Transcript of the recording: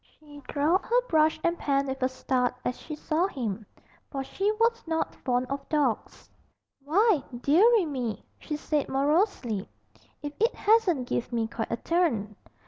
She dropped her brush and pan with a start as she saw him, for she was not fond of dogs. 'Why, deary me,' she said morosely, 'if it hasn't give me quite a turn.